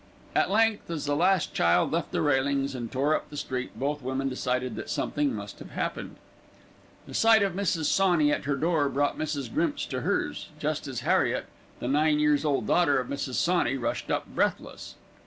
At length, as the last child left the railings and tore up the street, both women decided that something must have happened. The sight of Mrs. Sawney at her door brought Mrs. Grimps to hers, just as Harriet, the nine years old daughter of Mrs. Sawney, rushed up breathless.